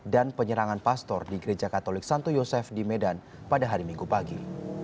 dan penyerangan pastor di gereja katolik santo yosef di medan pada hari minggu pagi